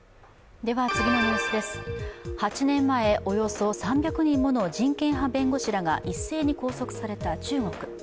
８年前、およそ３００人もの人権派弁護士らが一斉に拘束された中国。